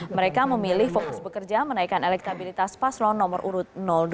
mereka memilih fokus bekerja menaikkan elektabilitas paslon nomor urut dua